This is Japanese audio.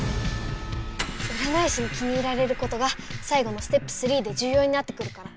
うらない師に気に入られることがさいごのステップ３でじゅうようになってくるから。